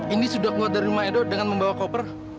ini sudah keluar dari rumah edo dengan membawa koper